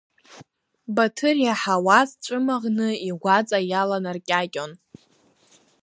Баҭыр иаҳауаз ҵәымаӷны игәаҵа иаланаркьакьон.